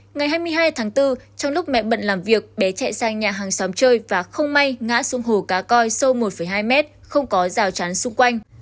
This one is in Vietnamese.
ngày hai mươi hai tháng bốn trong lúc mẹ bận làm việc bé chạy sang nhà hàng xóm chơi và không may ngã xuống hồ cá coi sâu một hai mét không có rào chắn xung quanh